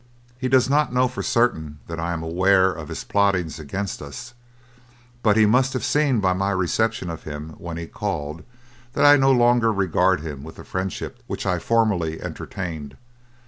He does not know for certain that I am aware of his plottings against us; but he must have seen by my reception of him when he called that I no longer regard him with the friendship which I formerly entertained.